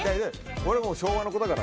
俺は昭和の子だから。